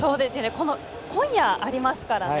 今夜ありますからね。